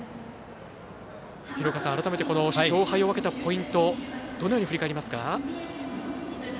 改めて、勝敗を分けたポイントどのように振り返りますか？